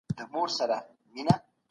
د خلګو حقونه باید تر پښو لاندي نه سي.